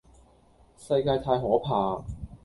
世界太可怕